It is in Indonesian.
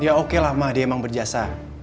iya oke lah ma dia emang berjasa